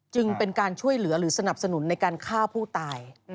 จึงเป็นการช่วยเหลือหรือสนับสนุนในการฆ่าผู้ตาย